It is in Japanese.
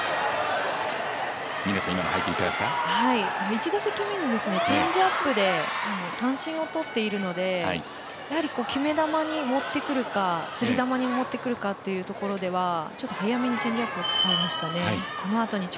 １打席目にチェンジアップで三振を取っているので、やはり決め球に持ってくるか釣り球に持ってくるかというところではちょっと早めにチェンジアップを使いましたね。